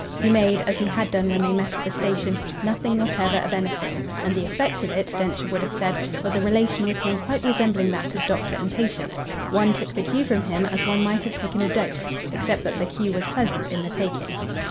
He made, as he had done when they met at the station, nothing whatever of anything; and the effect of it, Densher would have said, was a relation with him quite resembling that of doctor and patient. One took the cue from him as one might have taken a dose except that the cue was pleasant in the taking.